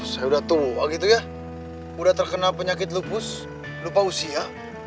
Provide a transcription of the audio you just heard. saya udah tua gitu ya udah terkena penyakit lupus lupa usia